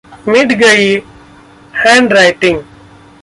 मिट गई हैंडराइटिंग